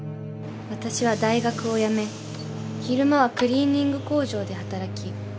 ［私は大学を辞め昼間はクリーニング工場で働き］